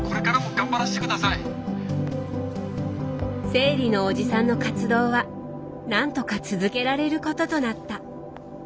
生理のおじさんの活動はなんとか続けられることとなった。